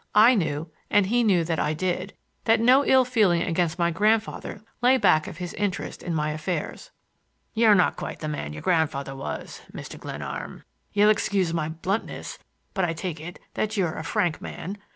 I knew—and he knew that I did—that no ill feeling against my grandfather lay back of his interest in my affairs. "You're not quite the man your grandfather was, Mr. Glenarm. You'll excuse my bluntness, but I take it that you're a frank man.